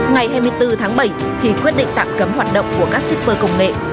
ngày hai mươi bốn tháng bảy khi quyết định tạm cấm hoạt động của các shipper công nghệ